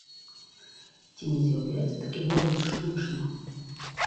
Ці не з'яўляецца такі вобраз штучным?